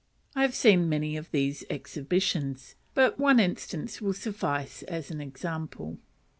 I have seen many of these exhibitions, but one instance will suffice as an example.